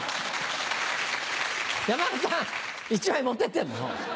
山田さん１枚持ってってもう。